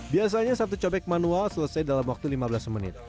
biasanya satu cobek manual selesai dalam waktu lima belas menit